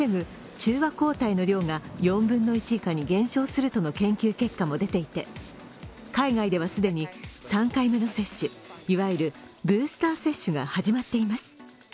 中和抗体の量が４分の１以下に減少するとの研究結果も出ていて、海外では既に３回目の接種、いわゆるブースター接種が始まっています。